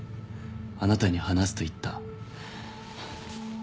あなたに話すと言った。